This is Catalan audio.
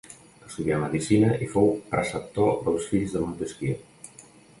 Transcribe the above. Estudià medicina i fou preceptor dels fills de Montesquieu.